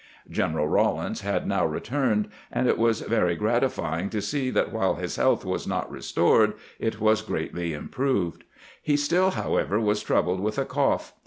General Eawlins had now returned, and it was very gratifying to see that while his health was not restored, it was greatly improved. He still, however, was troubled with a cough.